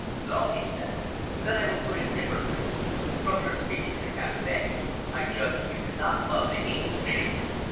"So?" he said. "Then I will put it differently. From your speech in the cafe I judge you do not love the English."